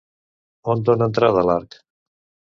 On dona entrada l'arc?